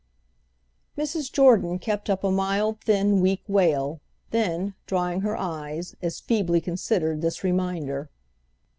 Mrs. Jordan kept up a mild thin weak wail; then, drying her eyes, as feebly considered this reminder.